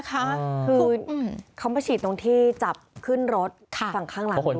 คือเขามาฉีดตรงที่จับขึ้นรถฝั่งข้างหลังด้วย